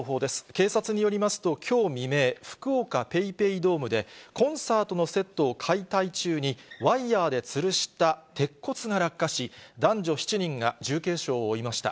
警察によりますと、きょう未明、福岡ＰａｙＰａｙドームで、コンサートのセットを解体中に、ワイヤーでつるした鉄骨が落下し、男女７人が重軽傷を負いました。